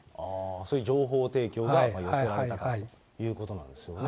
そういう情報提供が寄せられたかということなんですよね。